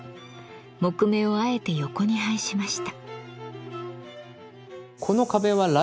木目をあえて横に配しました。